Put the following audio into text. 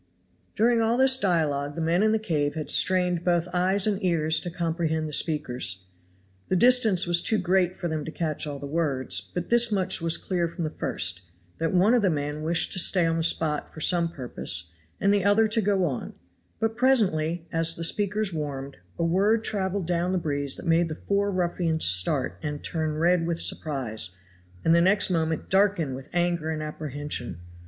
During all this dialogue the men in the cave had strained both eyes and ears to comprehend the speakers. The distance was too great for them to catch all the words, but this much was clear from the first, that one of the men wished to stay on the spot for some purpose, and the other to go on; but presently, as the speakers warmed, a word traveled down the breeze that made the four ruffians start and turn red with surprise, and the next moment darken with anger and apprehension.